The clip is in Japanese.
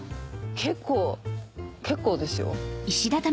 結構結構ですよ。